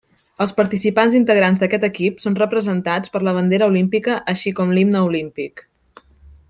Els participants integrants d'aquest equip són representats per la bandera olímpica així com l'himne olímpic.